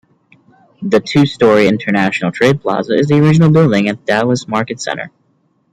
The two-story International Trade Plaza is the original building at Dallas Market Center.